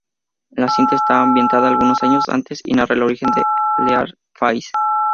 La cinta está ambientada algunos años antes y narra el origen de Leatherface.